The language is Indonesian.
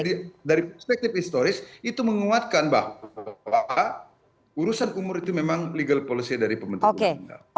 jadi dari perspektif historis itu menguatkan bahwa urusan umur itu memang legal policy dari pembentuk undang undang